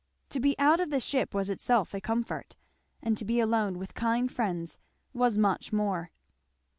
To be out of the ship was itself a comfort, and to be alone with kind friends was much more.